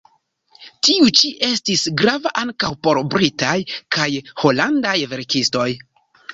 Tiu ĉi estis grava ankaŭ por britaj kaj holandaj verkistoj.